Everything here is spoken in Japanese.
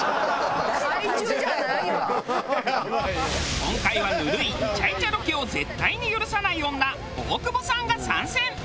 今回はぬるいイチャイチャロケを絶対に許さない女大久保さんが参戦！